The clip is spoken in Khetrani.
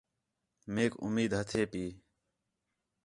میک اُمید ہتھے پئی